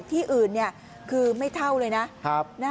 ที่อื่นคือไม่เท่าเลยนะ